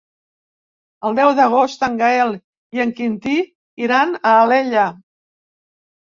El deu d'agost en Gaël i en Quintí iran a Alella.